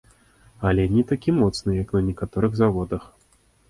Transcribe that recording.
Але не такі моцны, як на некаторых заводах.